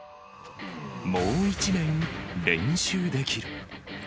もう１年練習できる。